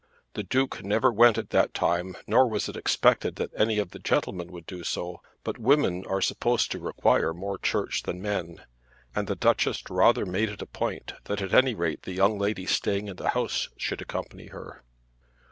The Duke never went at that time nor was it expected that any of the gentlemen would do so; but women are supposed to require more church than men, and the Duchess rather made it a point that at any rate the young ladies staying in the house should accompany her.